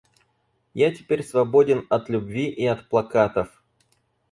Я теперь свободен от любви и от плакатов.